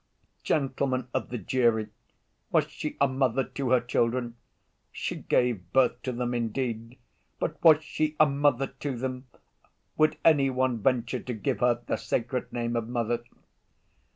"Gentlemen of the jury, was she a mother to her children? She gave birth to them, indeed; but was she a mother to them? Would any one venture to give her the sacred name of mother?